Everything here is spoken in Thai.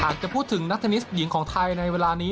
อาจจะพูดถึงนักเทนนิสหญิงของไทยในเวลานี้